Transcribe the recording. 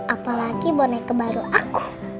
apalagi boneke baru aku